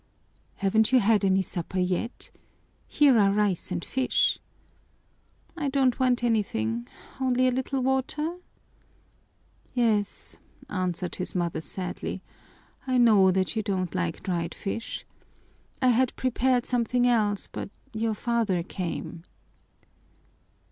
"Haven't you had any supper yet? Here are rice and fish." "I don't want anything, only a little water." "Yes," answered his mother sadly, "I know that you don't like dried fish. I had prepared something else, but your father came."